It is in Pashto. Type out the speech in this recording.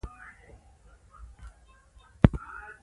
له ختیځه به پر اسونو سپاره هونیانو یرغل راووړ.